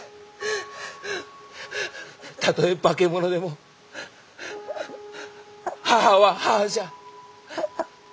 たとえ化け物でも母は母じゃ！